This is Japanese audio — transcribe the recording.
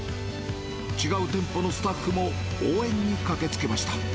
違う店舗のスタッフも応援に駆けつけました。